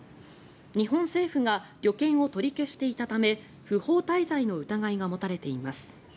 日本政府が旅券を取り消していたため不法滞在の疑いが持たれています。